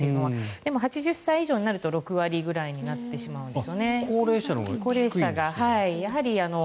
でも８０歳以上は６割ぐらいになってしまうんです。